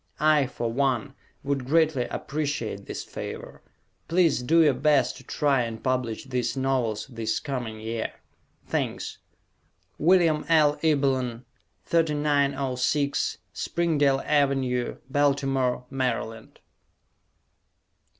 I, for one, would greatly appreciate this favor. Please do your best to try and publish these novels this coming year. Thanks. Wm. L. Ebelan, 3906 Springdale Avenue, Baltimore, Md.